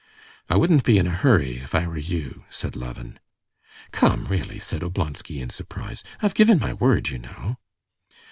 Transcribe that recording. "I wouldn't be in a hurry if I were you," said Levin. "Come, really," said Oblonsky in surprise. "I've given my word, you know."